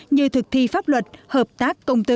như thực thi pháp luật hợp tác công tư